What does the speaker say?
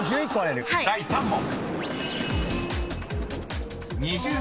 第３問］